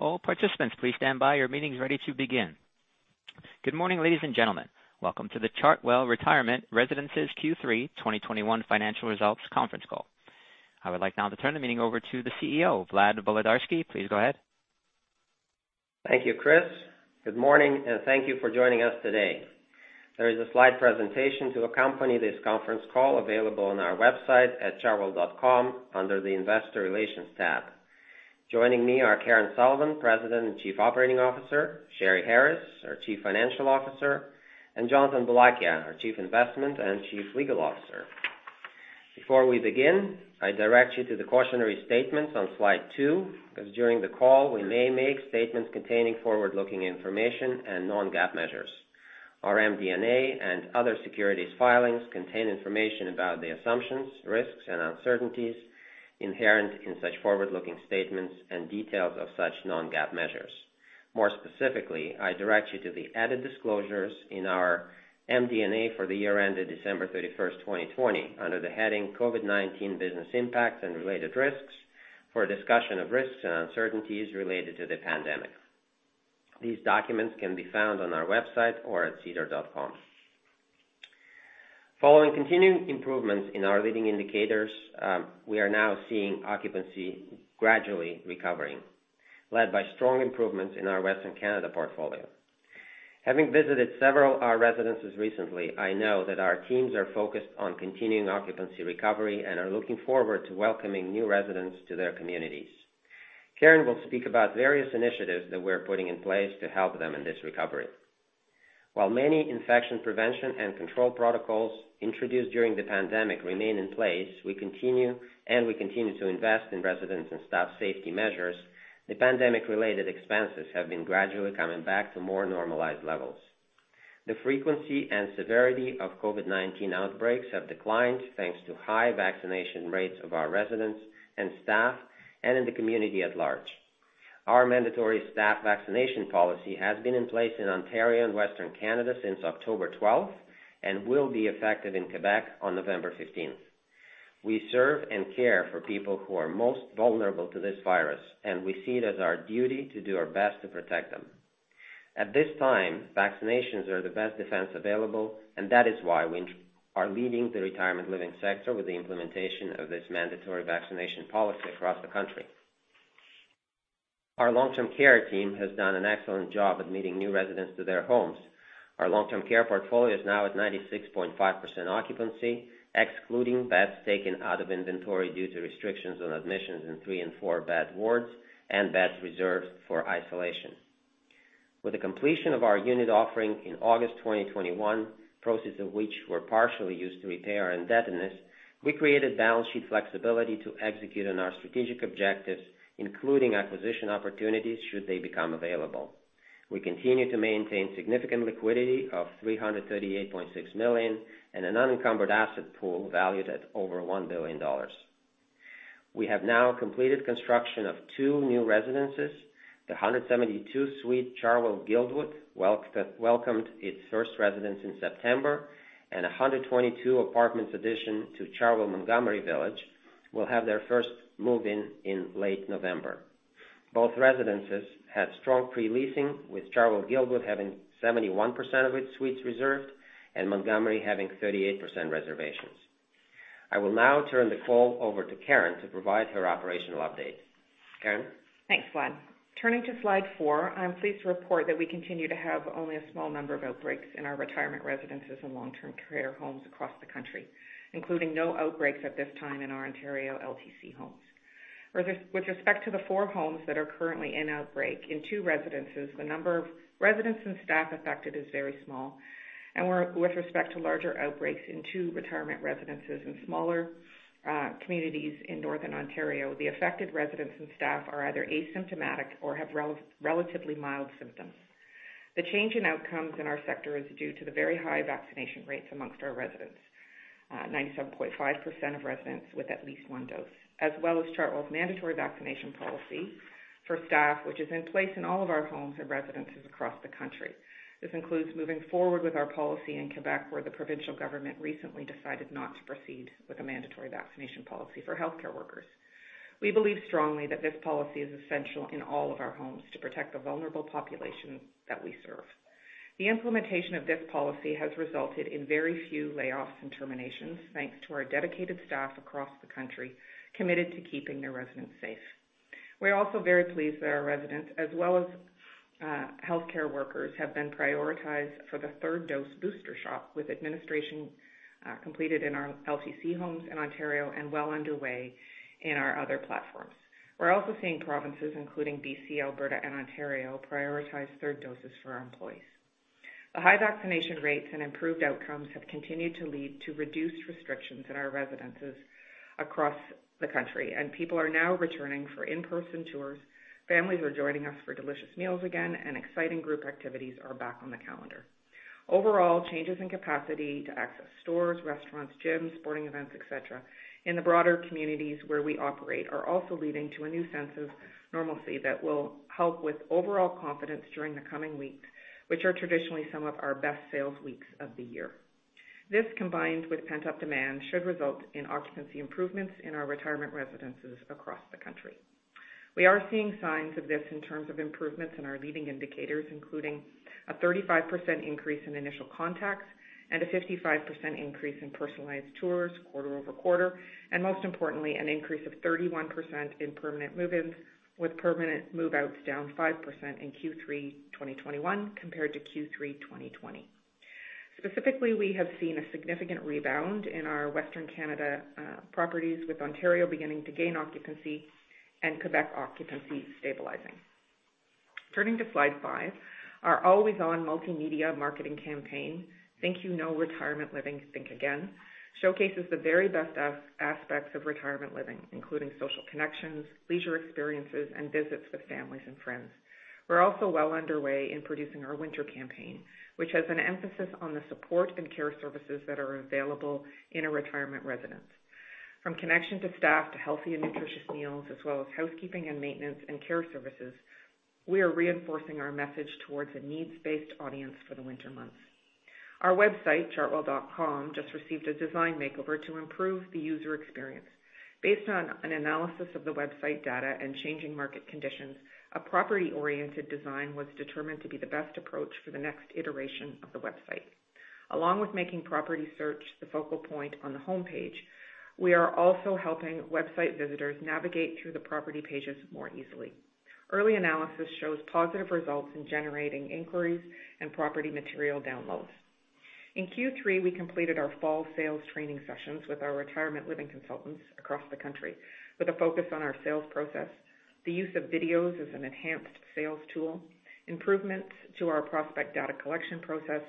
Good morning, ladies and gentlemen. Welcome to the Chartwell Retirement Residences Q3 2021 financial results conference call. I would like now to turn the meeting over to the CEO, Vlad Volodarski. Please go ahead. Thank you, Chris. Good morning, and thank you for joining us today. There is a slide presentation to accompany this conference call available on our website at chartwell.com under the Investor Relations tab. Joining me are Karen Sullivan, President and Chief Operating Officer, Sheri Harris, our Chief Financial Officer, and Jonathan Boulakia, our Chief Investment and Chief Legal Officer. Before we begin, I direct you to the cautionary statements on slide two, because during the call, we may make statements containing forward-looking information and non-GAAP measures. Our MD&A and other securities filings contain information about the assumptions, risks, and uncertainties inherent in such forward-looking statements and details of such non-GAAP measures. More specifically, I direct you to the added disclosures in our MD&A for the year ended December 31, 2020, under the heading COVID-19 business impacts and related risks for a discussion of risks and uncertainties related to the pandemic. These documents can be found on our website or at sedar.com. Following continuing improvements in our leading indicators, we are now seeing occupancy gradually recovering, led by strong improvements in our Western Canada portfolio. Having visited several of our residences recently, I know that our teams are focused on continuing occupancy recovery and are looking forward to welcoming new residents to their communities. Karen will speak about various initiatives that we're putting in place to help them in this recovery. While many infection prevention and control protocols introduced during the pandemic remain in place, we continue to invest in residents' and staff safety measures. The pandemic-related expenses have been gradually coming back to more normalized levels. The frequency and severity of COVID-19 outbreaks have declined thanks to high vaccination rates of our residents and staff, and in the community at large. Our mandatory staff vaccination policy has been in place in Ontario and Western Canada since October 12 and will be effective in Quebec on November 15. We serve and care for people who are most vulnerable to this virus, and we see it as our duty to do our best to protect them. At this time, vaccinations are the best defense available, and that is why we are leading the retirement living sector with the implementation of this mandatory vaccination policy across the country. Our long-term care team has done an excellent job admitting new residents to their homes. Our long-term care portfolio is now at 96.5% occupancy, excluding beds taken out of inventory due to restrictions on admissions in three and four bed wards and beds reserved for isolation. With the completion of our unit offering in August 2021, proceeds of which were partially used to repay our indebtedness, we created balance sheet flexibility to execute on our strategic objectives, including acquisition opportunities should they become available. We continue to maintain significant liquidity of 338.6 million and an unencumbered asset pool valued at over 1 billion dollars. We have now completed construction of two new residences. The 172-suite Chartwell Guildwood welcomed its first residents in September, and a 122-apartment addition to Chartwell Montgomery Village will have their first move-in in late November. Both residences had strong pre-leasing, with Chartwell Guildwood having 71% of its suites reserved and Montgomery having 38% reservations. I will now turn the call over to Karen to provide her operational update. Karen? Thanks, Vlad. Turning to slide four, I'm pleased to report that we continue to have only a small number of outbreaks in our retirement residences and long-term care homes across the country, including no outbreaks at this time in our Ontario LTC homes. With respect to the four homes that are currently in outbreak, in two residences, the number of residents and staff affected is very small. With respect to larger outbreaks in two retirement residences in smaller communities in Northern Ontario, the affected residents and staff are either asymptomatic or have relatively mild symptoms. The change in outcomes in our sector is due to the very high vaccination rates among our residents, 97.5% of residents with at least one dose, as well as Chartwell's mandatory vaccination policy for staff, which is in place in all of our homes and residences across the country. This includes moving forward with our policy in Quebec, where the provincial government recently decided not to proceed with a mandatory vaccination policy for healthcare workers. We believe strongly that this policy is essential in all of our homes to protect the vulnerable populations that we serve. The implementation of this policy has resulted in very few layoffs and terminations, thanks to our dedicated staff across the country committed to keeping their residents safe. We're also very pleased that our residents, as well as healthcare workers, have been prioritized for the third dose booster shot, with administration completed in our LTC homes in Ontario and well underway in our other platforms. We're also seeing provinces, including B.C., Alberta, and Ontario, prioritize third doses for our employees. The high vaccination rates and improved outcomes have continued to lead to reduced restrictions in our residences across the country, and people are now returning for in-person tours, families are joining us for delicious meals again, and exciting group activities are back on the calendar. Overall, changes in capacity to access stores, restaurants, gyms, sporting events, et cetera, in the broader communities where we operate are also leading to a new sense of normalcy that will help with overall confidence during the coming weeks, which are traditionally some of our best sales weeks of the year. This, combined with pent-up demand, should result in occupancy improvements in our retirement residences across the country. We are seeing signs of this in terms of improvements in our leading indicators, including a 35% increase in initial contacts and a 55% increase in personalized tours quarter over quarter, and most importantly, an increase of 31% in permanent move-ins, with permanent move-outs down 5% in Q3 2021 compared to Q3 2020. Specifically, we have seen a significant rebound in our Western Canada properties, with Ontario beginning to gain occupancy and Quebec occupancy stabilizing. Turning to slide five, our always-on multimedia marketing campaign, Think You Know Retirement Living? Think Again, showcases the very best aspects of retirement living, including social connections, leisure experiences, and visits with families and friends. We're also well underway in producing our winter campaign, which has an emphasis on the support and care services that are available in a retirement residence. From connection to staff, to healthy and nutritious meals, as well as housekeeping and maintenance, and care services, we are reinforcing our message towards a needs-based audience for the winter months. Our website, chartwell.com, just received a design makeover to improve the user experience. Based on an analysis of the website data and changing market conditions, a property-oriented design was determined to be the best approach for the next iteration of the website. Along with making property search the focal point on the homepage, we are also helping website visitors navigate through the property pages more easily. Early analysis shows positive results in generating inquiries and property material downloads. In Q3, we completed our fall sales training sessions with our retirement living consultants across the country with a focus on our sales process, the use of videos as an enhanced sales tool, improvements to our prospect data collection process,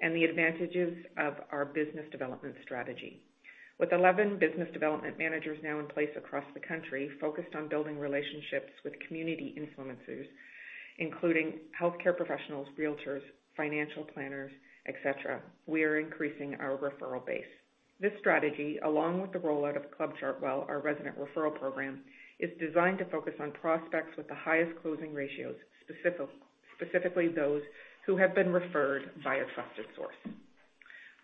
and the advantages of our business development strategy. With 11 business development managers now in place across the country focused on building relationships with community influencers, including healthcare professionals, realtors, financial planners, et cetera, we are increasing our referral base. This strategy, along with the rollout of Club Chartwell, our resident referral program, is designed to focus on prospects with the highest closing ratios, specifically those who have been referred by a trusted source.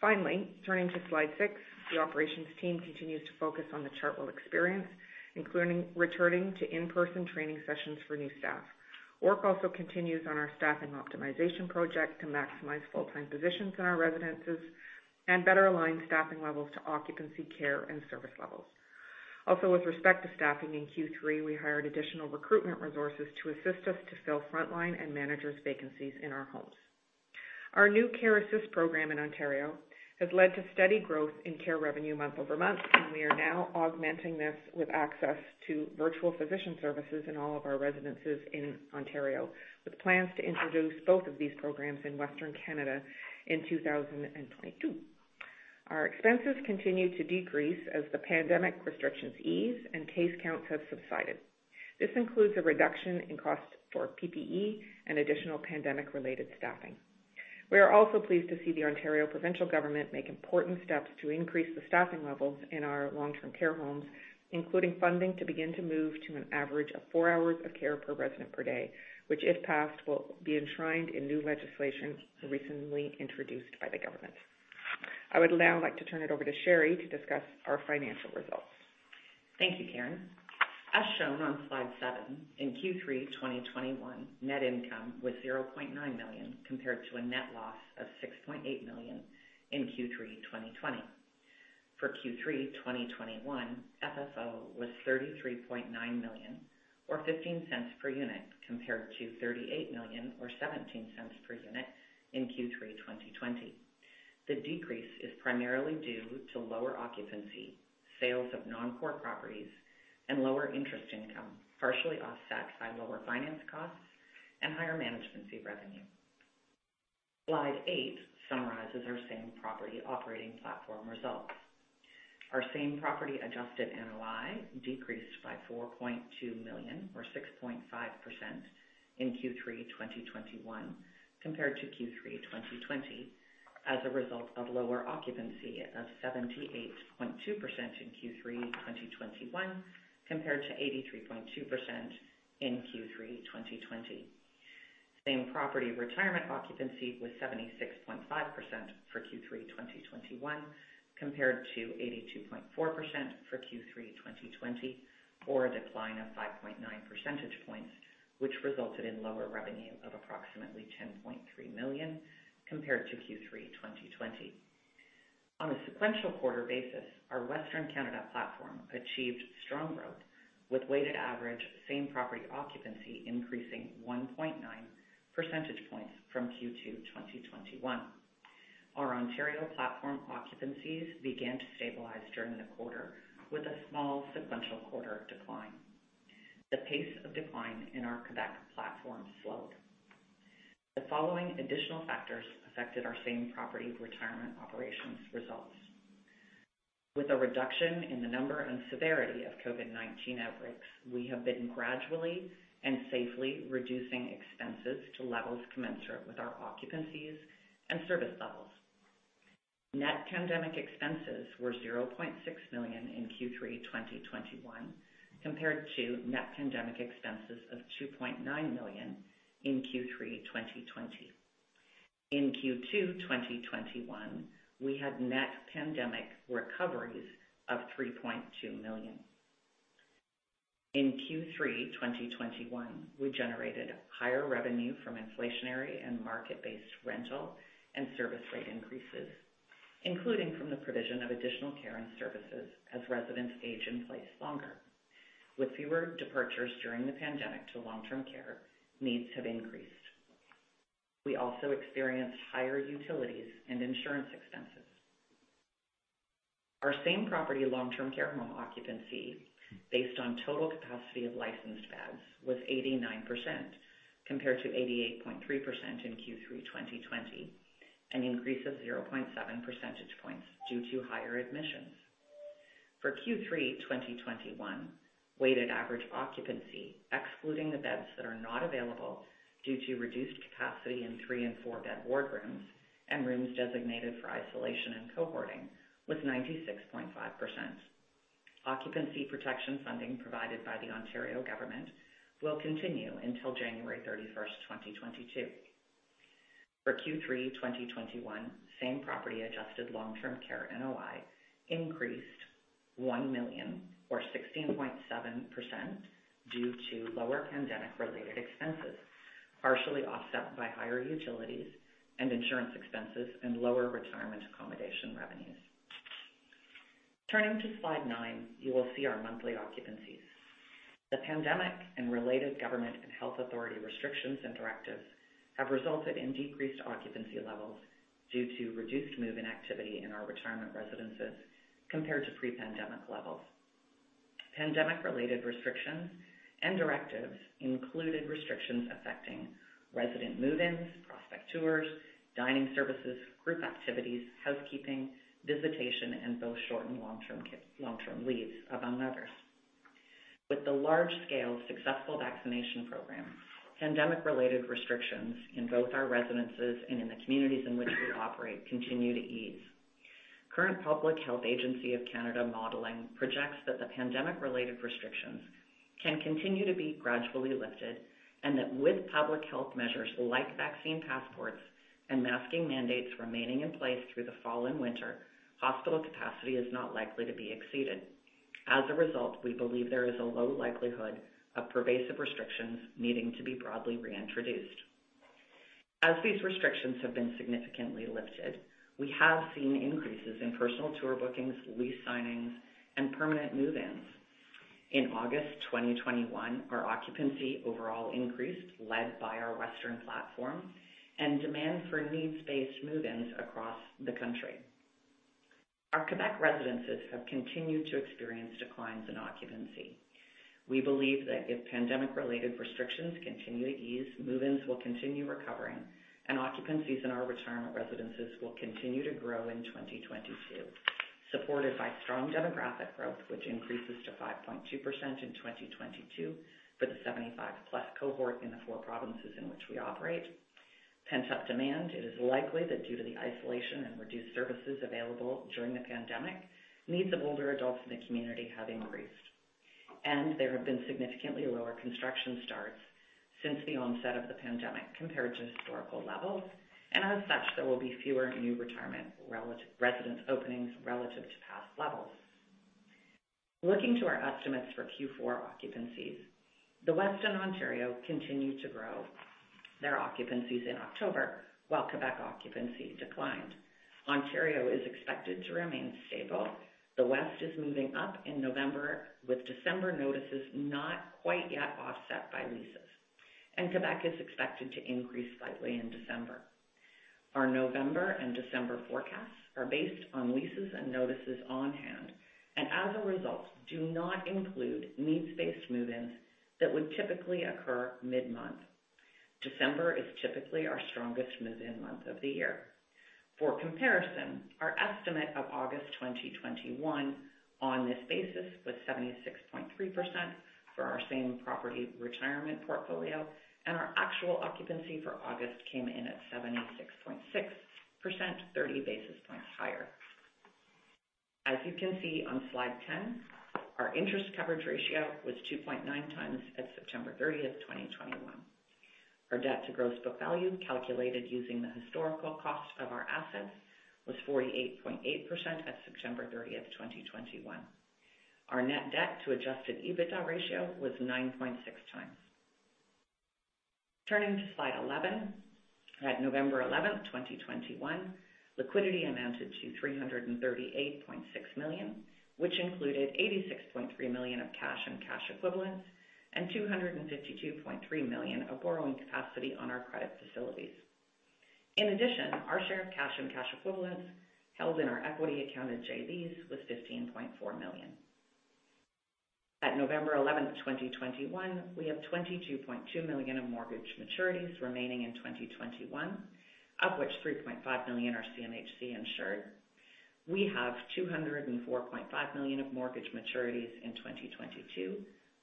Finally, turning to slide six, the operations team continues to focus on the Chartwell experience, including returning to in-person training sessions for new staff. Work also continues on our staffing optimization project to maximize full-time positions in our residences and better align staffing levels to occupancy, care, and service levels. Also, with respect to staffing in Q3, we hired additional recruitment resources to assist us to fill frontline and managers vacancies in our homes. Our new Care Assist program in Ontario has led to steady growth in care revenue month-over-month, and we are now augmenting this with access to virtual physician services in all of our residences in Ontario, with plans to introduce both of these programs in Western Canada in 2022. Our expenses continue to decrease as the pandemic restrictions ease and case counts have subsided. This includes a reduction in costs for PPE and additional pandemic-related staffing. We are also pleased to see the Ontario provincial government make important steps to increase the staffing levels in our long-term care homes, including funding to begin to move to an average of four hours of care per resident per day, which, if passed, will be enshrined in new legislation recently introduced by the government. I would now like to turn it over to Sheri to discuss our financial results. Thank you, Karen. As shown on slide seven, in Q3 2021, net income was CAD 0.9 million, compared to a net loss of CAD 6.8 million in Q3 2020. For Q3 2021, FFO was 33.9 million or 0.15 per unit, compared to 38 million or 0.17 per unit in Q3 2020. The decrease is primarily due to lower occupancy, sales of non-core properties, and lower interest income, partially offset by lower finance costs and higher management fee revenue. Slide eight summarizes our same-property operating platform results. Our same-property adjusted NOI decreased by 4.2 million or 6.5% in Q3 2021 compared to Q3 2020 as a result of lower occupancy of 78.2% in Q3 2021 compared to 83.2% in Q3 2020. Same-property retirement occupancy was 76.5% for Q3 2021 compared to 82.4% for Q3 2020, or a decline of 5.9 percentage points, which resulted in lower revenue of approximately 10.3 million compared to Q3 2020. On a sequential quarter basis, our Western Canada platform achieved strong growth with weighted average same-property occupancy increasing 1.9 percentage points from Q2 2021. Our Ontario platform occupancies began to stabilize during the quarter with a small sequential quarter decline. The pace of decline in our Quebec platform slowed. The following additional factors affected our same-property retirement operations results. With a reduction in the number and severity of COVID-19 outbreaks, we have been gradually and safely reducing expenses to levels commensurate with our occupancies and service levels. Net pandemic expenses were 0.6 million in Q3 2021 compared to net pandemic expenses of 2.9 million in Q3 2020. In Q2 2021, we had net pandemic recoveries of 3.2 million. In Q3 2021, we generated higher revenue from inflationary and market-based rental and service rate increases, including from the provision of additional care and services as residents age in place longer. With fewer departures during the pandemic to long-term care, needs have increased. We also experienced higher utilities and insurance expenses. Our same-property long-term care home occupancy, based on total capacity of licensed beds, was 89% compared to 88.3% in Q3 2020, an increase of 0.7 percentage points due to higher admissions. For Q3 2021, weighted average occupancy, excluding the beds that are not available due to reduced capacity in three and four bed boardrooms and rooms designated for isolation and cohorting, was 96.5%. Occupancy protection funding provided by the Ontario government will continue until January 31, 2022. For Q3 2021, same-property adjusted long-term care NOI increased 1 million, or 16.7%, due to lower pandemic-related expenses, partially offset by higher utilities and insurance expenses and lower retirement accommodation revenues. Turning to slide nine, you will see our monthly occupancies. The pandemic and related government and health authority restrictions and directives have resulted in decreased occupancy levels due to reduced move-in activity in our retirement residences compared to pre-pandemic levels. Pandemic-related restrictions and directives included restrictions affecting resident move-ins, prospect tours, dining services, group activities, housekeeping, visitation, and both short- and long-term leaves, among others. With the large-scale successful vaccination program, pandemic-related restrictions in both our residences and in the communities in which we operate continue to ease. Current Public Health Agency of Canada modeling projects that the pandemic-related restrictions can continue to be gradually lifted, and that with public health measures like vaccine passports and masking mandates remaining in place through the fall and winter, hospital capacity is not likely to be exceeded. As a result, we believe there is a low likelihood of pervasive restrictions needing to be broadly reintroduced. As these restrictions have been significantly lifted, we have seen increases in personal tour bookings, lease signings, and permanent move-ins. In August 2021, our occupancy overall increased, led by our Western platform and demand for needs-based move-ins across the country. Our Quebec residences have continued to experience declines in occupancy. We believe that if pandemic-related restrictions continue to ease, move-ins will continue recovering, and occupancies in our retirement residences will continue to grow in 2022, supported by strong demographic growth, which increases to 5.2% in 2022 for the 75+ cohort in the four provinces in which we operate. Pent-up demand. It is likely that due to the isolation and reduced services available during the pandemic, needs of older adults in the community have increased, and there have been significantly lower construction starts since the onset of the pandemic compared to historical levels, and as such, there will be fewer new retirement residence openings relative to past levels. Looking to our estimates for Q4 occupancies, the West and Ontario continued to grow their occupancies in October, while Quebec occupancy declined. Ontario is expected to remain stable. The West is moving up in November, with December notices not quite yet offset by leases, and Quebec is expected to increase slightly in December. Our November and December forecasts are based on leases and notices on hand, and as a result, do not include needs-based move-ins that would typically occur mid-month. December is typically our strongest move-in month of the year. For comparison, our estimate of August 2021 on this basis was 76.3% for our same property retirement portfolio, and our actual occupancy for August came in at 76.6%, 30 basis points higher. As you can see on slide 10, our interest coverage ratio was 2.9x at September 30, 2021. Our debt to gross book value, calculated using the historical cost of our assets, was 48.8% at September 30, 2021. Our net debt to adjusted EBITDA ratio was 9.6x. Turning to slide 11, at November 11, 2021, liquidity amounted to 338.6 million, which included 86.3 million of cash and cash equivalents and 252.3 million of borrowing capacity on our credit facilities. In addition, our share of cash and cash equivalents held in our equity accounted JVs was 15.4 million. At November 11, 2021, we have 22.2 million of mortgage maturities remaining in 2021, of which 3.5 million are CMHC insured. We have 204.5 million of mortgage maturities in 2022,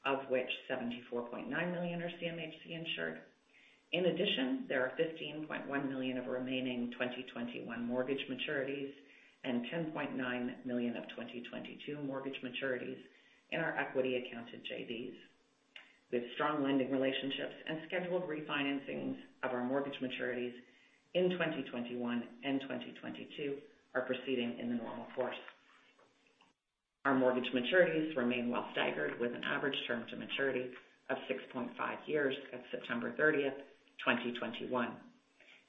of which 74.9 million are CMHC insured. In addition, there are 15.1 million of remaining 2021 mortgage maturities and 10.9 million of 2022 mortgage maturities in our equity accounted JVs. With strong lending relationships and scheduled refinancings of our mortgage maturities in 2021 and 2022 are proceeding in the normal course. Our mortgage maturities remain well staggered, with an average term to maturity of six point five years at September 30, 2021.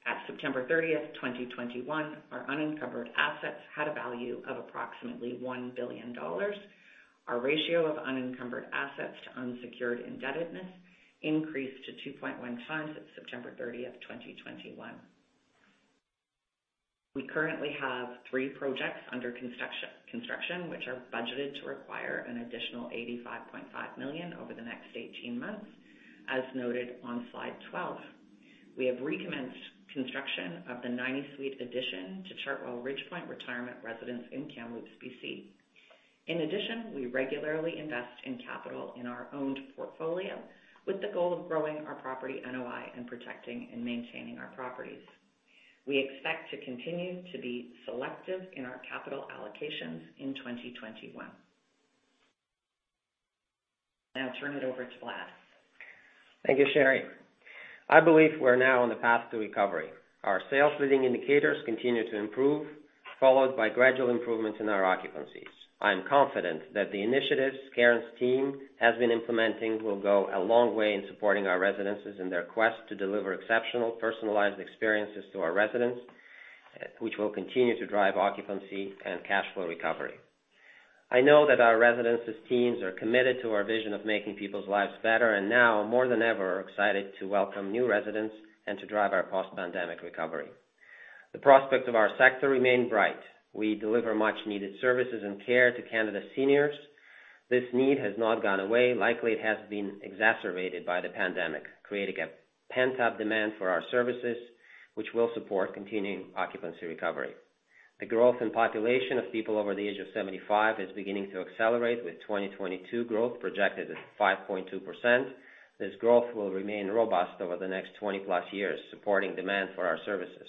At September 30, 2021, our unencumbered assets had a value of approximately 1 billion dollars. Our ratio of unencumbered assets to unsecured indebtedness increased to 2.1x at September 30, 2021. We currently have three projects under construction, which are budgeted to require an additional 85.5 million over the next 18 months, as noted on slide 12. We have recommenced construction of the 90-suite addition to Chartwell Ridgepointe Retirement Residence in Kamloops, B.C. In addition, we regularly invest in capital in our owned portfolio with the goal of growing our property NOI and protecting and maintaining our properties. We expect to continue to be selective in our capital allocations in 2021. Now I'll turn it over to Vlad. Thank you, Sheri. I believe we're now on the path to recovery. Our sales leading indicators continue to improve, followed by gradual improvements in our occupancies. I am confident that the initiatives Karen's team has been implementing will go a long way in supporting our residences in their quest to deliver exceptional personalized experiences to our residents, which will continue to drive occupancy and cash flow recovery. I know that our residences teams are committed to our vision of making people's lives better, and now more than ever, are excited to welcome new residents and to drive our post-pandemic recovery. The prospect of our sector remain bright. We deliver much needed services and care to Canada's seniors. This need has not gone away. Likely it has been exacerbated by the pandemic, creating a pent-up demand for our services, which will support continuing occupancy recovery. The growth in population of people over the age of 75 is beginning to accelerate, with 2022 growth projected at 5.2%. This growth will remain robust over the next 20+ years, supporting demand for our services.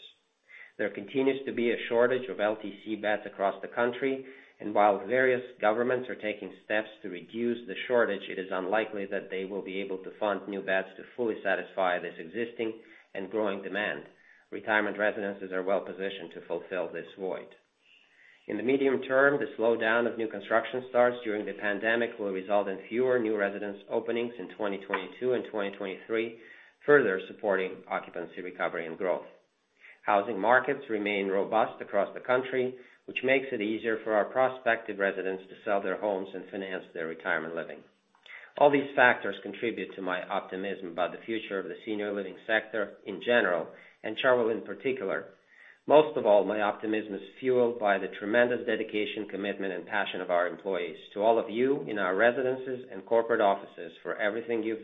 There continues to be a shortage of LTC beds across the country, and while various governments are taking steps to reduce the shortage, it is unlikely that they will be able to fund new beds to fully satisfy this existing and growing demand. Retirement residences are well positioned to fulfill this void. In the medium term, the slowdown of new construction starts during the pandemic will result in fewer new residents openings in 2022 and 2023, further supporting occupancy recovery and growth. Housing markets remain robust across the country, which makes it easier for our prospective residents to sell their homes and finance their retirement living. All these factors contribute to my optimism about the future of the senior living sector in general and Chartwell in particular. Most of all, my optimism is fueled by the tremendous dedication, commitment and passion of our employees. To all of you in our residences and corporate offices, for everything you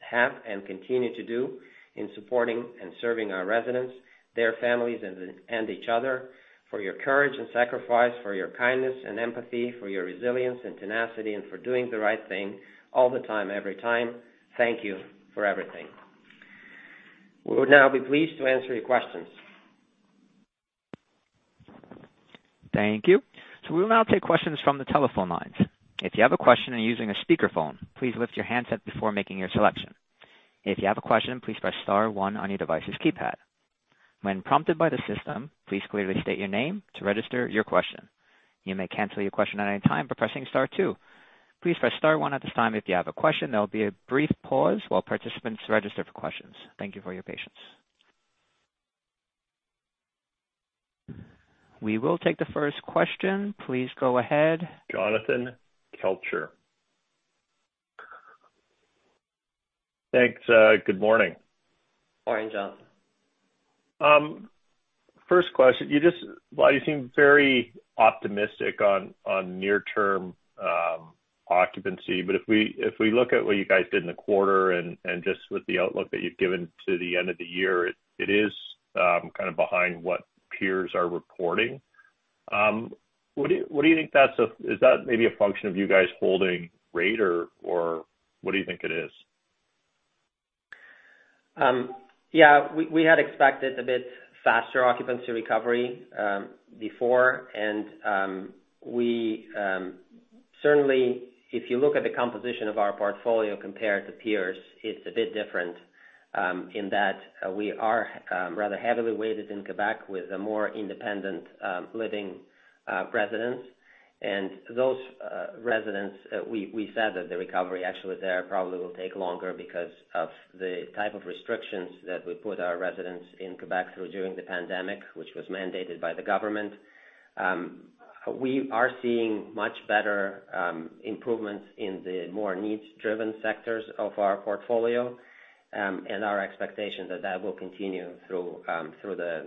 have and continue to do in supporting and serving our residents, their families and each other, for your courage and sacrifice, for your kindness and empathy, for your resilience and tenacity, and for doing the right thing all the time, every time, thank you for everything. We would now be pleased to answer your questions. Thank you. So we will now take questions from the telephone lines. If you have a question and you're using a speakerphone, please lift your handset before making your selection. If you have a question, please press star one on your device's keypad. When prompted by the system, please clearly state your name to register your question. You may cancel your question at any time by pressing star two. Please press star one at this time if you have a question. There will be a brief pause while participants register for questions. Thank you for your patience. We will take the first question. Please go ahead. Thanks, good morning. Morning, Jonathan. First question. You seem very optimistic on near term occupancy, but if we look at what you guys did in the quarter and just with the outlook that you've given to the end of the year, it is kind of behind what peers are reporting. What do you think that is? Is that maybe a function of you guys holding rate or what do you think it is? Yeah, we had expected a bit faster occupancy recovery before. We certainly, if you look at the composition of our portfolio compared to peers, it's a bit different in that we are rather heavily weighted in Quebec with a more independent living residents. Those residents we said that the recovery actually there probably will take longer because of the type of restrictions that we put our residents in Quebec through during the pandemic, which was mandated by the government. We are seeing much better improvements in the more needs-driven sectors of our portfolio, and our expectation that that will continue through the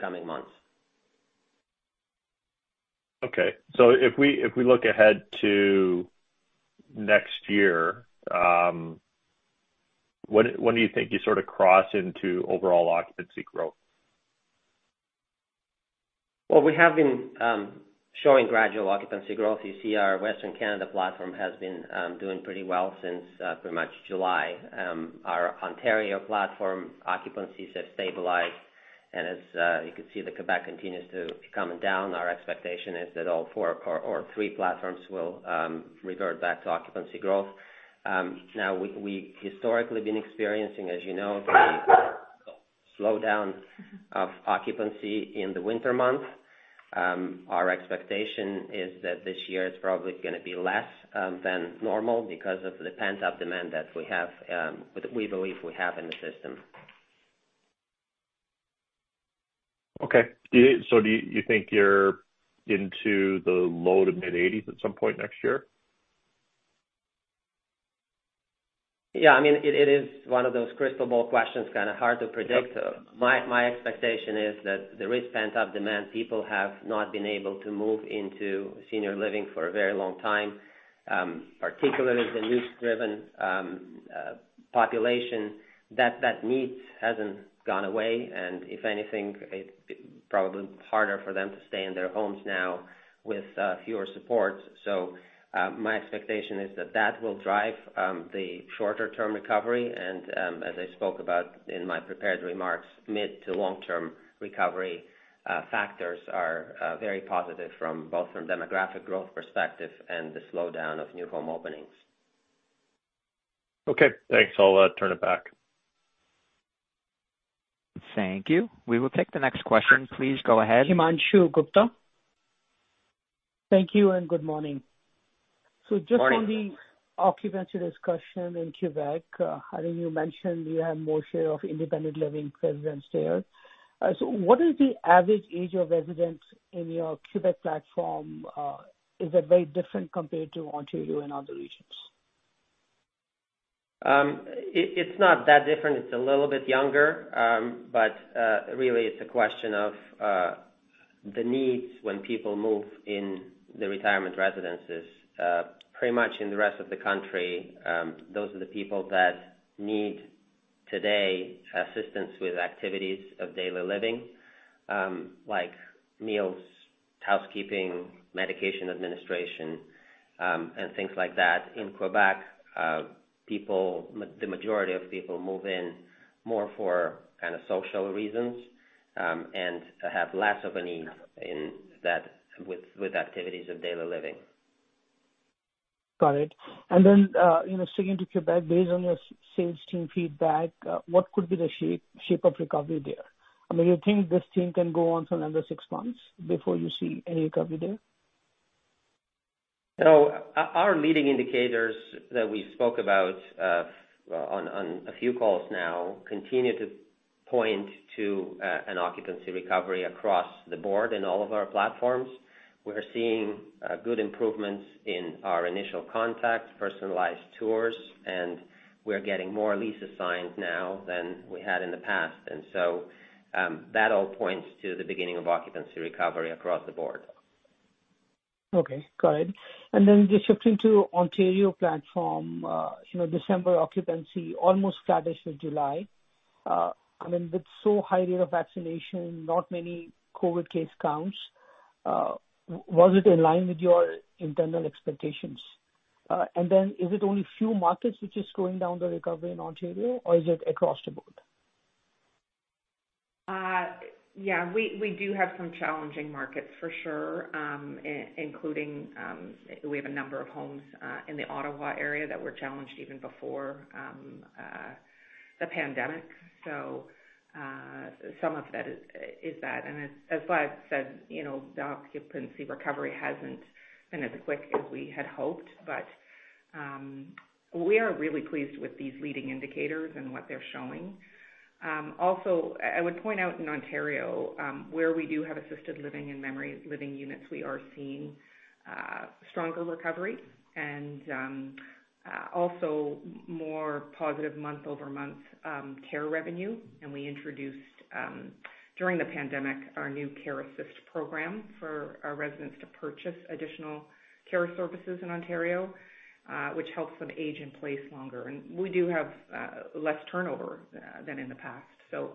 coming months. Okay. If we look ahead to next year, when do you think you sort of cross into overall occupancy growth? Well, we have been showing gradual occupancy growth. You see our Western Canada platform has been doing pretty well since pretty much July. Our Ontario platform occupancies have stabilized. As you can see, the Quebec continues to come down. Our expectation is that all four or three platforms will revert back to occupancy growth. Now we historically been experiencing, as you know, the slowdown of occupancy in the winter months. Our expectation is that this year it's probably gonna be less than normal because of the pent-up demand that we have, we believe we have in the system. Okay. Do you think you're into the low-to-mid 80s at some point next year? Yeah. I mean, it is one of those crystal ball questions, kinda hard to predict. Yep. My expectation is that there is pent-up demand. People have not been able to move into senior living for a very long time, particularly the news-driven population, that need hasn't gone away, and if anything, it probably harder for them to stay in their homes now with fewer supports. My expectation is that that will drive the shorter term recovery. As I spoke about in my prepared remarks, mid to long-term recovery factors are very positive from both demographic growth perspective and the slowdown of new home openings. Okay. Thanks. I'll turn it back. Thank you. We will take the next question. Please go ahead. Thank you and good morning. Morning. Just on the occupancy discussion in Quebec, how did you mention you have more share of independent living residents there? What is the average age of residents in your Quebec platform? Is it very different compared to Ontario and other regions? It's not that different. It's a little bit younger. Really, it's a question of the needs when people move in the retirement residences. Pretty much in the rest of the country, those are the people that need assistance with activities of daily living, like meals, housekeeping, medication administration, and things like that. In Quebec, the majority of people move in more for kind of social reasons and have less of a need with activities of daily living. Got it. You know, sticking to Quebec, based on your sales team feedback, what could be the shape of recovery there? I mean, you think this thing can go on for another six months before you see any recovery there? Our leading indicators that we spoke about on a few calls now continue to point to an occupancy recovery across the board in all of our platforms. We're seeing good improvements in our initial contacts, personalized tours, and we're getting more leases signed now than we had in the past. That all points to the beginning of occupancy recovery across the board. Okay. Got it. Just shifting to Ontario platform, you know, December occupancy almost flattish with July. I mean, with so high rate of vaccination, not many COVID case counts, was it in line with your internal expectations? Is it only few markets which is slowing down the recovery in Ontario, or is it across the board? Yeah. We do have some challenging markets for sure, including a number of homes in the Ottawa area that were challenged even before the pandemic. Some of that is that. As Vlad said, you know, the occupancy recovery hasn't been as quick as we had hoped. We are really pleased with these leading indicators and what they're showing. Also, I would point out in Ontario, where we do have assisted living and memory care units, we are seeing stronger recovery and also more positive month-over-month care revenue. We introduced during the pandemic our new Care Assist program for our residents to purchase additional care services in Ontario, which helps them age in place longer. We do have less turnover than in the past.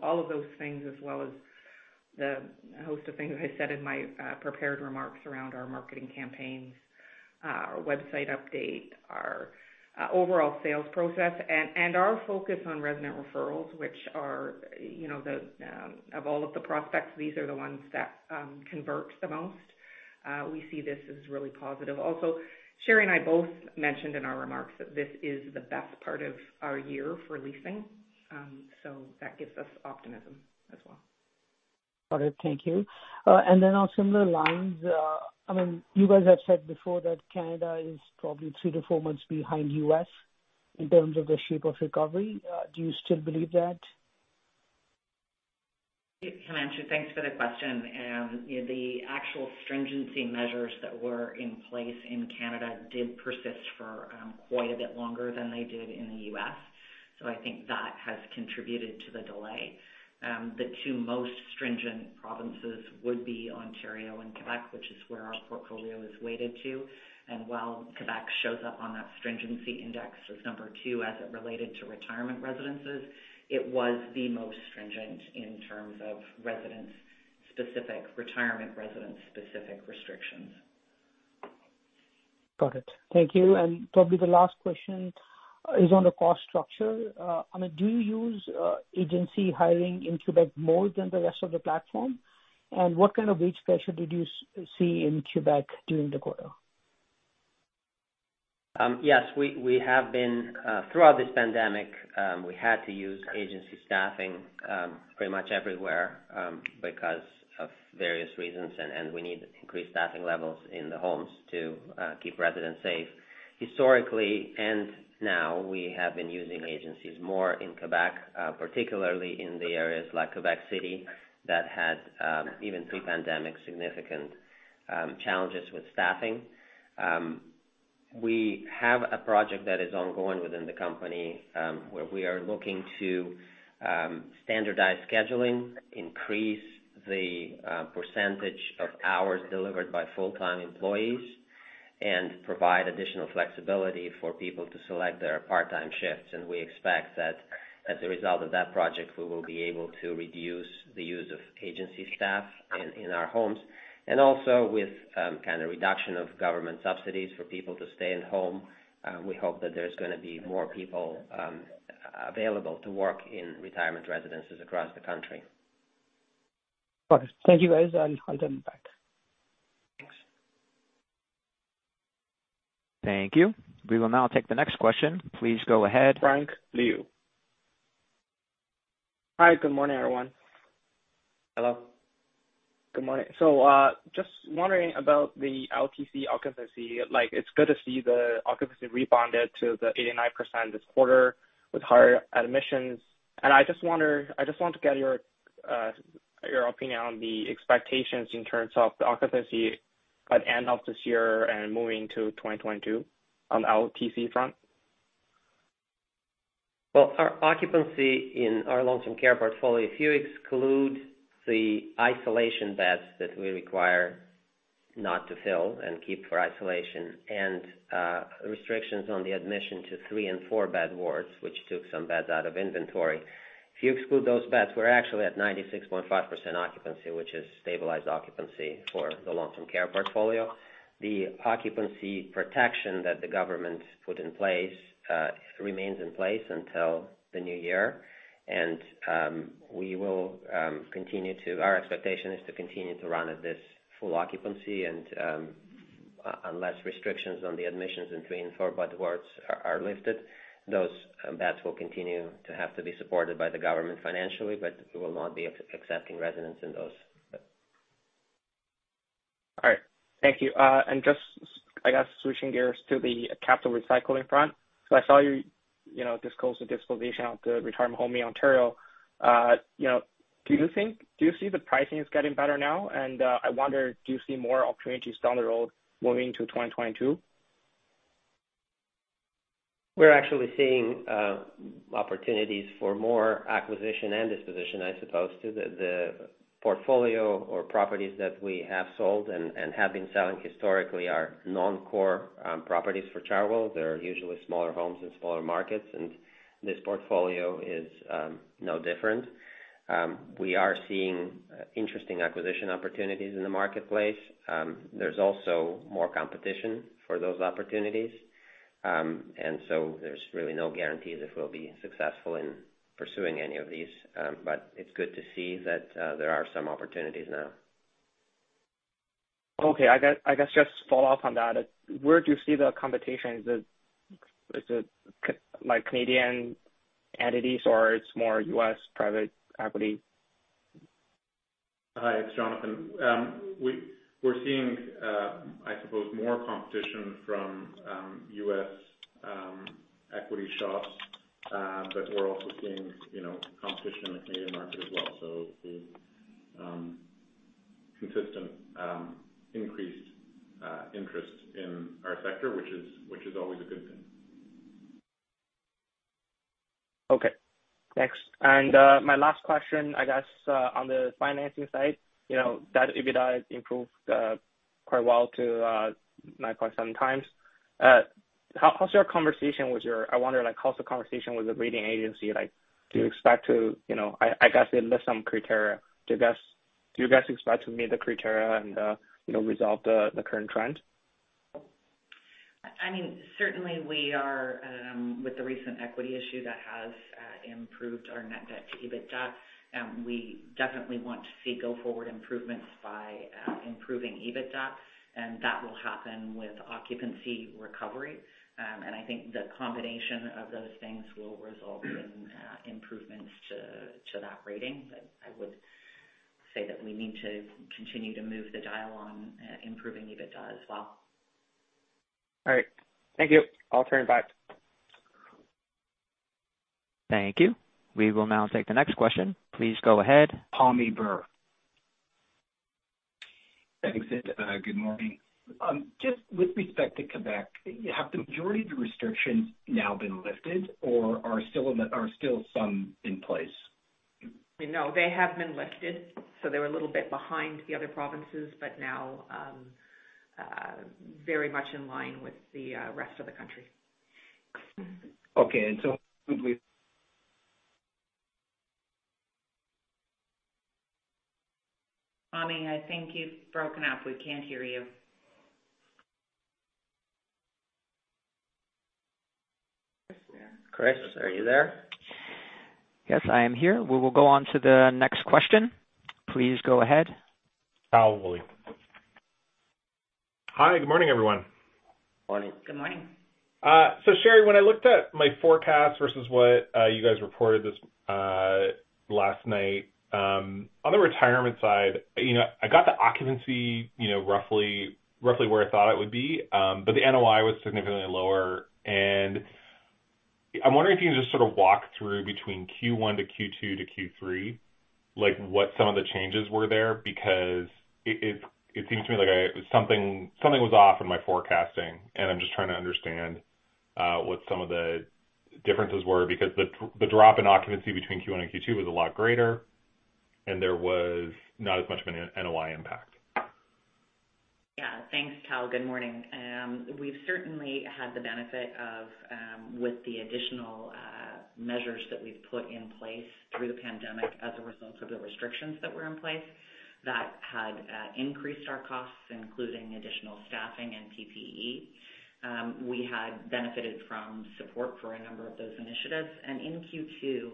All of those things, as well as the host of things I said in my prepared remarks around our marketing campaigns, our website update, our overall sales process and our focus on resident referrals, which are, you know, the of all of the prospects, these are the ones that convert the most. We see this as really positive. Also, Sheri and I both mentioned in our remarks that this is the best part of our year for leasing. That gives us optimism as well. Got it. Thank you. On similar lines, I mean, you guys have said before that Canada is probably three-four months behind U.S. in terms of the shape of recovery. Do you still believe that? Himanshu, thanks for the question. You know, the actual stringency measures that were in place in Canada did persist for quite a bit longer than they did in the U.S. I think that has contributed to the delay. The two most stringent provinces would be Ontario and Quebec, which is where our portfolio is weighted to. While Quebec shows up on that stringency index as number two as it related to retirement residences, it was the most stringent in terms of retirement residence specific restrictions. Got it. Thank you. Probably the last question is on the cost structure. I mean, do you use agency hiring in Quebec more than the rest of the platform? What kind of wage pressure did you see in Quebec during the quarter? Yes, we have been throughout this pandemic, we had to use agency staffing pretty much everywhere because of various reasons, and we need increased staffing levels in the homes to keep residents safe. Historically, and now, we have been using agencies more in Quebec, particularly in the areas like Quebec City that had even pre-pandemic significant challenges with staffing. We have a project that is ongoing within the company, where we are looking to standardize scheduling, increase the percentage of hours delivered by full-time employees, and provide additional flexibility for people to select their part-time shifts. We expect that as a result of that project, we will be able to reduce the use of agency staff in our homes. With kind of reduction of government subsidies for people to stay at home, we hope that there's gonna be more people available to work in retirement residences across the country. Got it. Thank you, guys, and I'll turn it back. Thanks. Thank you. We will now take the next question. Please go ahead. Hi, good morning, everyone. Hello. Good morning. Just wondering about the LTC occupancy. Like, it's good to see the occupancy rebounded to the 89% this quarter with higher admissions. I just want to get your opinion on the expectations in terms of the occupancy at end of this year and moving to 2022 on the LTC front. Well, our occupancy in our long-term care portfolio, if you exclude the isolation beds that we require not to fill and keep for isolation and restrictions on the admission to three and four-bed wards, which took some beds out of inventory. If you exclude those beds, we're actually at 96.5% occupancy, which is stabilized occupancy for the long-term care portfolio. The occupancy protection that the government put in place remains in place until the new year. Our expectation is to continue to run at this full occupancy and unless restrictions on the admissions in three and four-bed wards are lifted, those beds will continue to have to be supported by the government financially, but we will not be accepting residents in those. All right. Thank you. Just, I guess, switching gears to the capital recycling front. I saw you know, disclose the disposition of the retirement home in Ontario. You know, do you think, do you see the pricing is getting better now? I wonder, do you see more opportunities down the road moving to 2022? We're actually seeing opportunities for more acquisition and disposition, I suppose. The portfolio or properties that we have sold and have been selling historically are non-core properties for Chartwell. They're usually smaller homes in smaller markets, and this portfolio is no different. We are seeing interesting acquisition opportunities in the marketplace. There's also more competition for those opportunities. There's really no guarantees if we'll be successful in pursuing any of these. It's good to see that there are some opportunities now. Okay. I guess just to follow up on that. Where do you see the competition? Is it like Canadian entities or it's more U.S. private equity? Hi, it's Jonathan. We're seeing, I suppose, more competition from U.S. equity shops. We're also seeing, you know, competition in the Canadian market as well. The consistent, increased interest in our sector, which is always a good thing. Okay, thanks. My last question, I guess, on the financing side. You know, that EBITDA improved quite well to 9.7x. How's the conversation with the rating agency? Like, do you expect to, you know, I guess they list some criteria. Do you guys expect to meet the criteria and, you know, resolve the current trend? I mean, certainly we are with the recent equity issue that has improved our net debt to EBITDA. We definitely want to see go forward improvements by improving EBITDA, and that will happen with occupancy recovery. I think the combination of those things will result in improvements to that rating. I would say that we need to continue to move the dial on improving EBITDA as well. All right. Thank you. I'll turn it back. Thank you. We will now take the next question. Please go ahead. Tom Callaghan. Thanks, and, good morning. Just with respect to Quebec, have the majority of the restrictions now been lifted or are still some in place? No, they have been lifted, so they were a little bit behind the other provinces, but now very much in line with the rest of the country. Okay. Quickly Tommy, I think you've broken up. We can't hear you. Chris, are you there? Yes, I am here. We will go on to the next question. Please go ahead. Lorne Kalmar. Hi, good morning, everyone. Morning. Good morning. Sheri, when I looked at my forecast versus what you guys reported this last night, on the retirement side, you know, I got the occupancy, you know, roughly where I thought it would be, but the NOI was significantly lower. I'm wondering if you can just sort of walk through between Q1 to Q2 to Q3, like, what some of the changes were there. Because it seems to me like something was off in my forecasting, and I'm just trying to understand what some of the differences were. Because the drop in occupancy between Q1 and Q2 was a lot greater, and there was not as much of an NOI impact. Yeah. Thanks, Kal. Good morning. We've certainly had the benefit of with the additional measures that we've put in place through the pandemic as a result of the restrictions that were in place that had increased our costs, including additional staffing and PPE. We had benefited from support for a number of those initiatives. In Q2,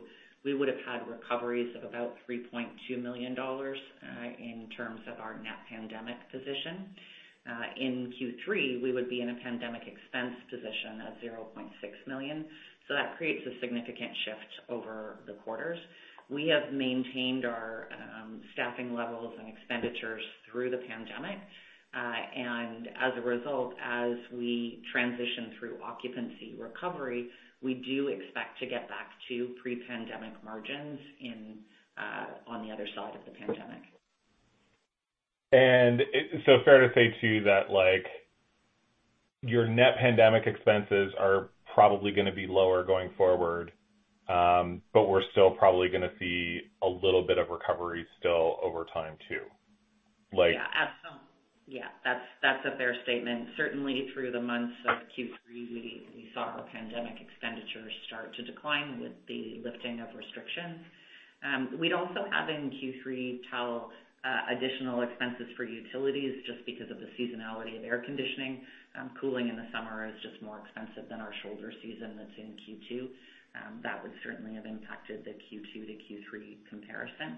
we would've had recoveries of about 3.2 million dollars in terms of our net pandemic position. In Q3, we would be in a pandemic expense position of 0.6 million. That creates a significant shift over the quarters. We have maintained our staffing levels and expenditures through the pandemic. As a result, as we transition through occupancy recovery, we do expect to get back to pre-pandemic margins in on the other side of the pandemic. Is it fair to say too that, like, your net pandemic expenses are probably gonna be lower going forward, but we're still probably gonna see a little bit of recovery still over time too. Yeah, that's a fair statement. Certainly through the months of Q3, we saw our pandemic expenditures start to decline with the lifting of restrictions. We'd also had in Q3, Cal, additional expenses for utilities just because of the seasonality of air conditioning. Cooling in the summer is just more expensive than our shoulder season that's in Q2. That would certainly have impacted the Q2 to Q3 comparison.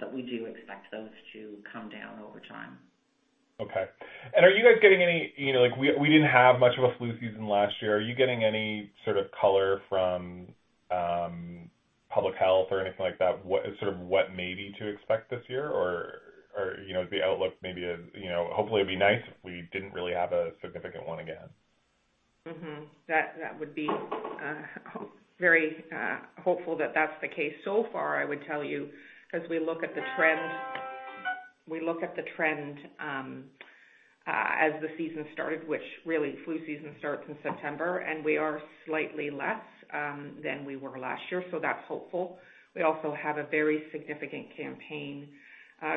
But we do expect those to come down over time. Okay. Are you guys getting any, you know, like we didn't have much of a flu season last year. Are you getting any sort of color from public health or anything like that, sort of what maybe to expect this year? Or, you know, the outlook maybe is, you know, hopefully it'd be nice if we didn't really have a significant one again. That would be very hopeful that that's the case so far, I would tell you, 'cause we look at the trend as the season started, which really flu season starts in September, and we are slightly less than we were last year. That's hopeful. We also have a very significant campaign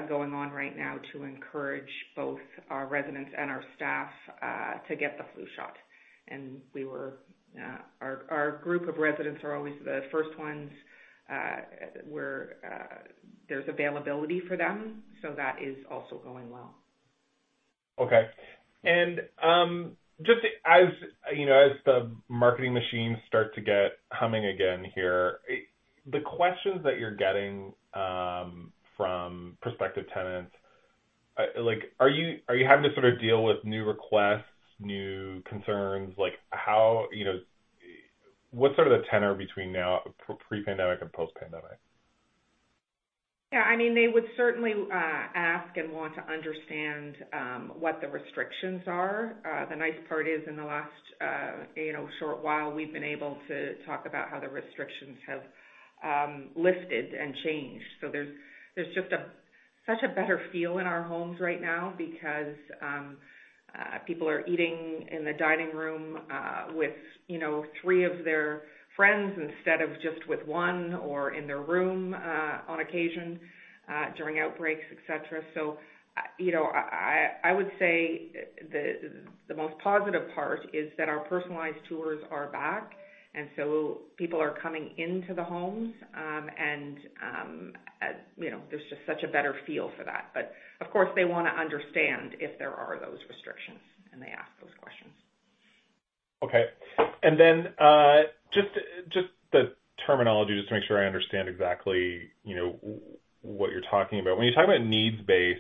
going on right now to encourage both our residents and our staff to get the flu shot. Our group of residents are always the first ones where there's availability for them. That is also going well. Okay. Just as, you know, as the marketing machines start to get humming again here, the questions that you're getting from prospective tenants, like, are you having to sort of deal with new requests, new concerns? Like, how, you know, what's sort of the tenor between now, pre-pandemic and post-pandemic? Yeah. I mean, they would certainly ask and want to understand what the restrictions are. The nice part is in the last you know short while we've been able to talk about how the restrictions have lifted and changed. There's just such a better feel in our homes right now because people are eating in the dining room with you know three of their friends instead of just with one or in their room on occasion during outbreaks, et cetera. You know, I would say the most positive part is that our personalized tours are back, and so people are coming into the homes. You know, there's just such a better feel for that. Of course, they wanna understand if there are those restrictions, and they ask those questions. Okay. Just the terminology just to make sure I understand exactly, you know, what you're talking about. When you talk about needs-based,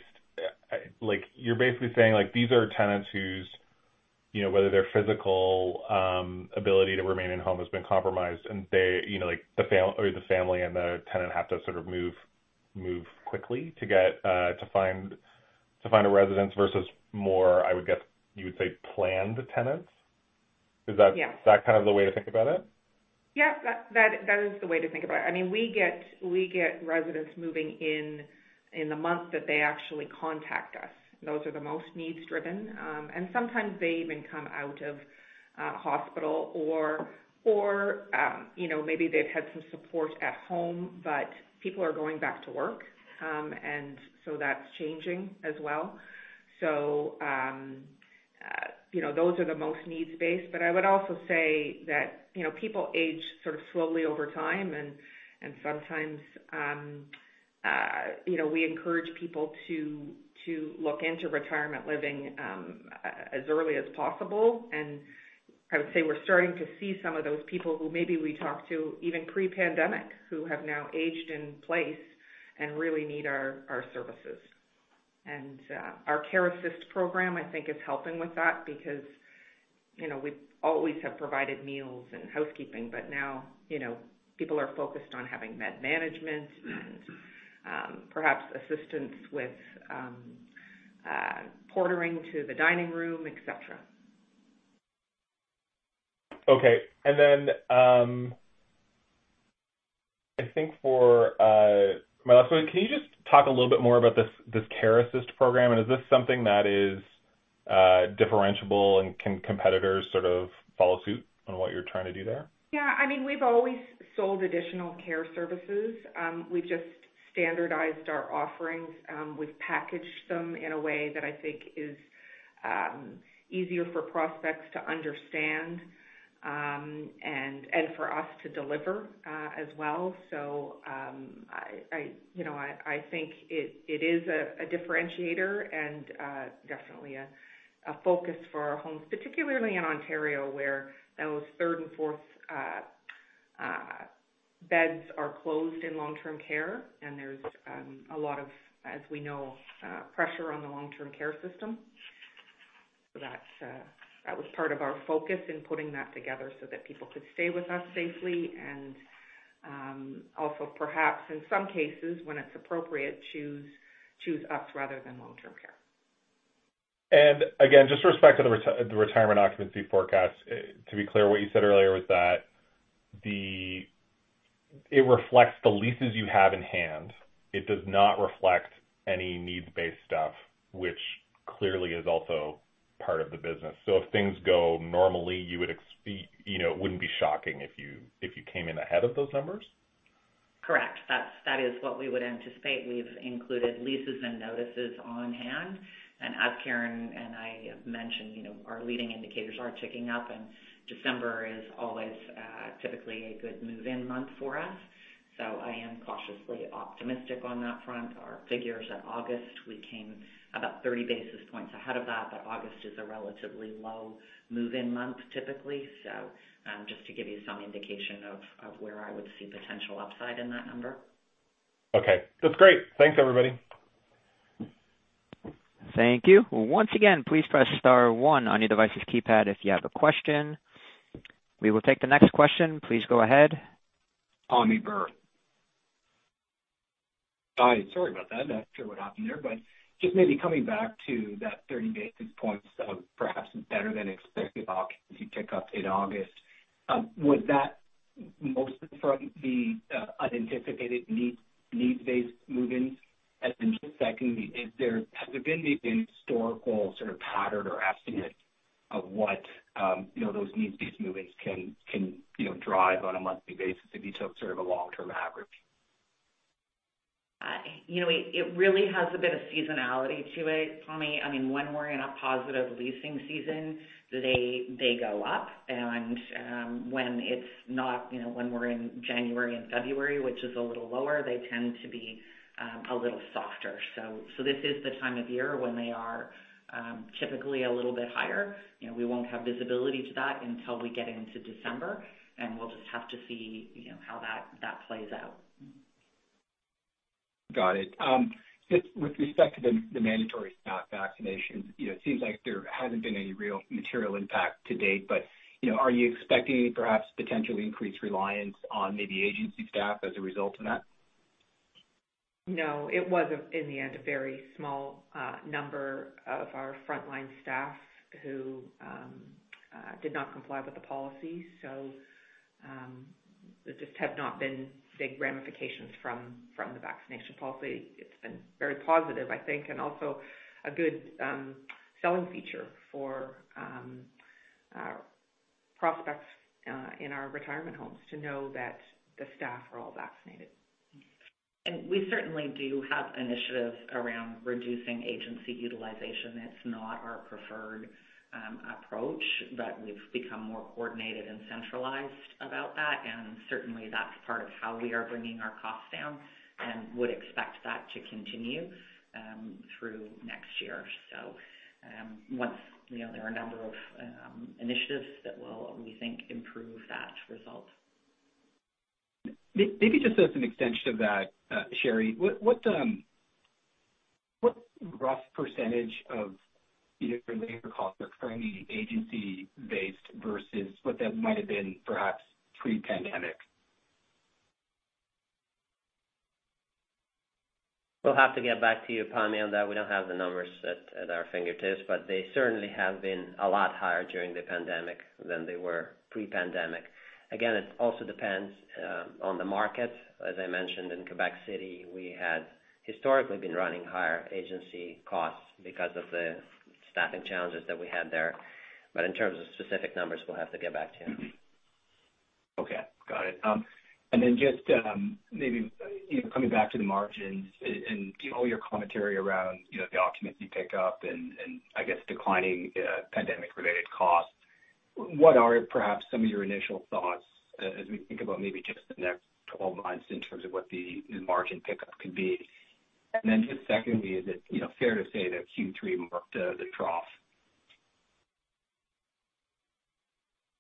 like, you're basically saying, like, these are tenants whose, you know, whether their physical ability to remain in-home has been compromised and they, you know, like the family and the tenant have to sort of move quickly to get to find a residence versus more, I would guess, you would say planned tenants. Is that? Yeah. Is that kind of the way to think about it? Yeah. That is the way to think about it. I mean, we get residents moving in in the month that they actually contact us. Those are the most needs-driven. Sometimes they even come out of hospital or you know, maybe they've had some support at home, but people are going back to work. That's changing as well. You know, those are the most needs-based. I would also say that you know, people age sort of slowly over time, and sometimes you know, we encourage people to look into retirement living as early as possible. I would say we're starting to see some of those people who maybe we talked to even pre-pandemic, who have now aged in place and really need our services. Our Care Assist program, I think, is helping with that because, you know, we always have provided meals and housekeeping, but now, you know, people are focused on having med management and, perhaps, assistance with portering to the dining room, et cetera. I think for my last one, can you just talk a little bit more about this Care Assist program? And is this something that is differentiable and can competitors sort of follow suit on what you're trying to do there? Yeah. I mean, we've always sold additional care services. We've just standardized our offerings. We've packaged them in a way that I think is easier for prospects to understand and for us to deliver as well. I, you know, I think it is a differentiator and definitely a focus for our homes, particularly in Ontario, where those third and fourth beds are closed in long-term care. There's a lot of, as we know, pressure on the long-term care system. That was part of our focus in putting that together so that people could stay with us safely and also perhaps in some cases, when it's appropriate, choose us rather than long-term care. Again, just with respect to the retirement occupancy forecast, to be clear, what you said earlier was that it reflects the leases you have in hand. It does not reflect any needs-based stuff, which clearly is also part of the business. If things go normally, you would, you know, it wouldn't be shocking if you, if you came in ahead of those numbers? Correct. That is what we would anticipate. We've included leases and notices on hand. As Karen and I have mentioned, you know, our leading indicators are ticking up, and December is always typically a good move-in month for us. I am cautiously optimistic on that front. Our figures at August, we came about 30 basis points ahead of that, but August is a relatively low move-in month typically. Just to give you some indication of where I would see potential upside in that number. Okay. That's great. Thanks, everybody. Thank you. Once again, please press star one on your device's keypad if you have a question. We will take the next question. Please go ahead. Tom Callaghan. Hi, sorry about that. Not sure what happened there. Just maybe coming back to that 30 basis points of perhaps better than expected occupancy tick-up in August, was that mostly from the unanticipated needs-based move-ins, and secondly, has there been the historical sort of pattern or estimate of what you know those needs-based move-ins can you know drive on a monthly basis if you took sort of a long-term average? You know, it really has a bit of seasonality to it, Tommy. I mean, when we're in a positive leasing season, they go up when it's not, you know, when we're in January and February, which is a little lower, they tend to be a little softer. This is the time of year when they are typically a little bit higher. You know, we won't have visibility to that until we get into December, and we'll just have to see, you know, how that plays out. Got it. Just with respect to the mandatory staff vaccinations, you know, it seems like there hasn't been any real material impact to date, but, you know, are you expecting perhaps potentially increased reliance on maybe agency staff as a result of that? No, it was, in the end, a very small number of our frontline staff who did not comply with the policy. There just have not been big ramifications from the vaccination policy. It's been very positive, I think, and also a good selling feature for prospects in our retirement homes to know that the staff are all vaccinated. We certainly do have initiatives around reducing agency utilization. It's not our preferred approach, but we've become more coordinated and centralized about that. Certainly that's part of how we are bringing our costs down and would expect that to continue through next year. Once, you know, there are a number of initiatives that will, we think, improve that result. Maybe just as an extension of that, Sheri, what rough percentage of either your labor costs are currently agency based versus what that might have been perhaps pre-pandemic? We'll have to get back to you, Tommy, on that. We don't have the numbers at our fingertips, but they certainly have been a lot higher during the pandemic than they were pre-pandemic. Again, it also depends on the market. As I mentioned, in Quebec City, we had historically been running higher agency costs because of the staffing challenges that we had there. In terms of specific numbers, we'll have to get back to you. Okay. Got it. Just maybe, you know, coming back to the margins and, you know, your commentary around, you know, the occupancy pick-up and I guess declining pandemic related costs, what are perhaps some of your initial thoughts as we think about maybe just the next twelve months in terms of what the margin pick-up could be? Just secondly, is it, you know, fair to say that Q3 marked the trough?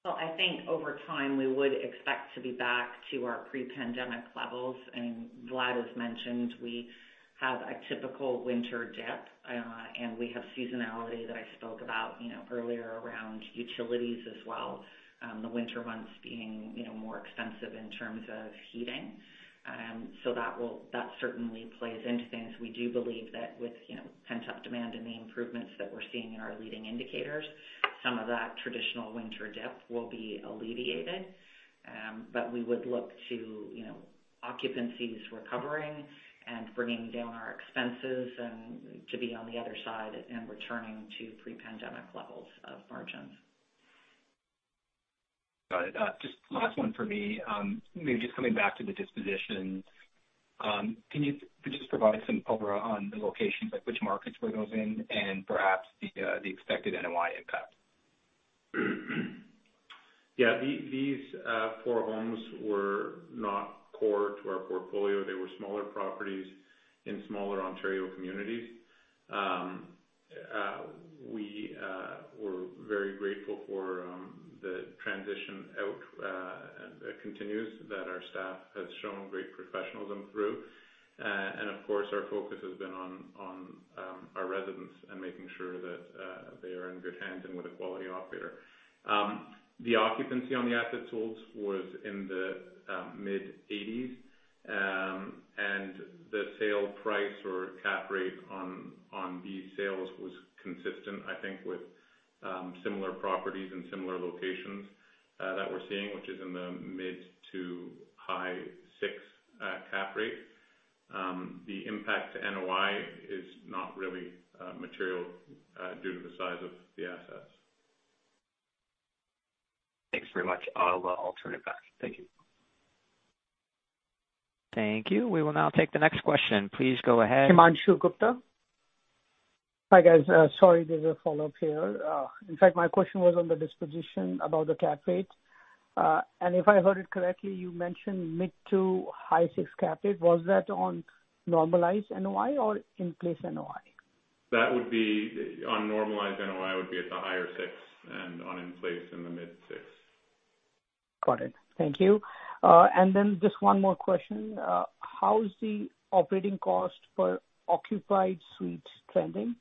I think over time, we would expect to be back to our pre-pandemic levels. Vlad has mentioned we have a typical winter dip, and we have seasonality that I spoke about, you know, earlier around utilities as well, the winter months being, you know, more expensive in terms of heating. That certainly plays into things. We do believe that with, you know, pent-up demand and the improvements that we're seeing in our leading indicators, some of that traditional winter dip will be alleviated. We would look to, you know, occupancies recovering and bringing down our expenses and to be on the other side and returning to pre-pandemic levels of margins. Got it. Just last one for me. Maybe just coming back to the dispositions, can you just provide some color on the locations, like which markets were those in and perhaps the expected NOI impact? Yeah. These four homes were not core to our portfolio. They were smaller properties in smaller Ontario communities. We were very grateful for the transition out that our staff has shown great professionalism through. Of course, our focus has been on our residents and making sure that they are in good hands and with a quality operator. The occupancy on the assets sold was in the mid-80s, and the sale price or cap rate on these sales was consistent, I think, with similar properties in similar locations that we're seeing, which is in the mid- to high-6% cap rate. The impact to NOI is not really material due to the size of the assets. Thanks very much. I'll turn it back. Thank you. Thank you. We will now take the next question. Please go ahead. Hi, guys. Sorry, there's a follow-up here. In fact, my question was on the disposition about the cap rate. If I heard it correctly, you mentioned mid- to high-6% cap rate. Was that on normalized NOI or in-place NOI? That would be on normalized NOI at the high 6% and on in-place in the mid 6%. Got it. Thank you. Then just one more question. How is the operating cost per occupied suite trending,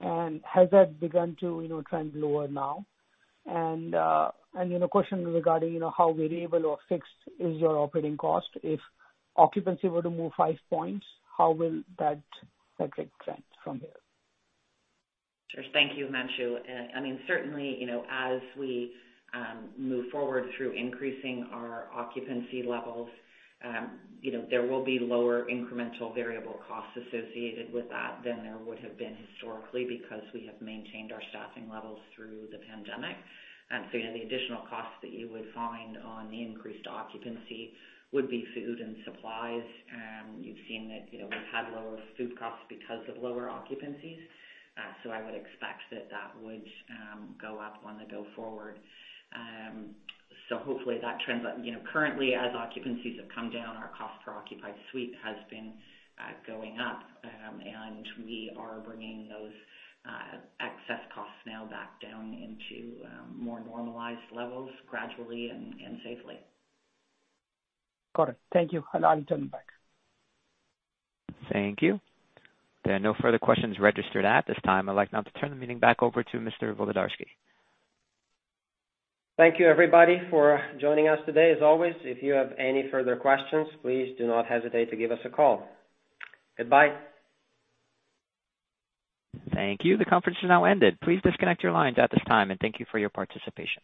and has that begun to, you know, trend lower now? You know, question regarding, you know, how variable or fixed is your operating cost. If occupancy were to move 5 points, how will that metric trend from here? Sure. Thank you, Himanshu. I mean, certainly, you know, as we move forward through increasing our occupancy levels, you know, there will be lower incremental variable costs associated with that than there would have been historically because we have maintained our staffing levels through the pandemic. You know, the additional costs that you would find on the increased occupancy would be food and supplies. You've seen that, you know, we've had lower food costs because of lower occupancies. I would expect that would go up going forward. Hopefully that trends, you know, currently as occupancies have come down, our cost per occupied suite has been going up. We are bringing those excess costs now back down into more normalized levels gradually and safely. Got it. Thank you. I'll turn it back. Thank you. There are no further questions registered at this time. I'd like now to turn the meeting back over to Mr. Volodarski. Thank you, everybody, for joining us today. As always, if you have any further questions, please do not hesitate to give us a call. Goodbye. Thank you. The conference is now ended. Please disconnect your lines at this time, and thank you for your participation.